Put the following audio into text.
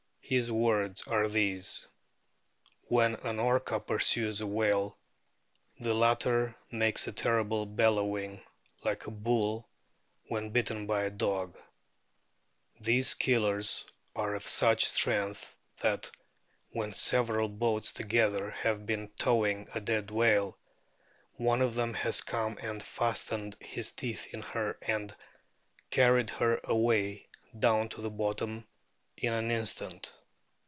His words are these: "When an Orca pursues a whale the latter makes a terrible bellowing, like a bull when bitten by a dog." These Killers are of such strength that when several boats together have been towing o o a dead whale, one of them has come and fastened his teeth in her and carried her away down to the bottom in an instant."